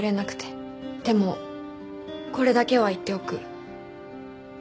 でもこれだけは言っておく。